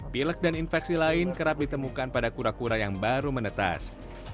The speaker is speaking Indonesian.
pilek dan infeksi lain kerap ditemukan pada kura kura yang baru menetas